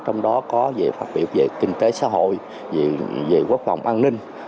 trong đó có về phát biểu về kinh tế xã hội về quốc phòng an ninh